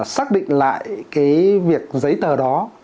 xác định lại cái việc giấy tờ đó